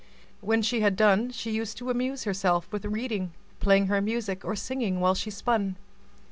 When she had done, she used to amuse herself with reading, playing her music, or singing while she spun.